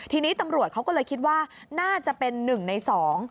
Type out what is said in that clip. ทีนี้ตำรวจเขาก็เลยคิดว่าน่าจะเป็นหนึ่งในสอง